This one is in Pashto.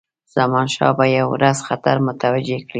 زمانشاه به یو ورځ خطر متوجه کړي.